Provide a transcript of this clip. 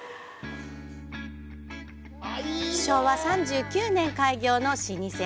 昭和３９年開業の老舗。